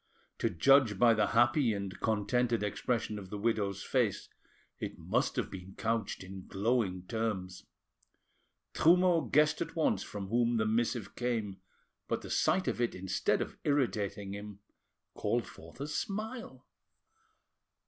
To judge by the happy and contented expression of the widow's face, it must have been couched in glowing terms. Trumeau guessed at once from whom the missive came, but the sight of it, instead of irritating him, called forth a smile.